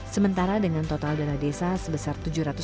sementara dengan total dana desa sebesar tujuh ratus